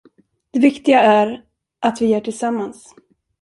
Det viktiga är att vi är tillsammans.